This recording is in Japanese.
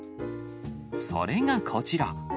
それがこちら。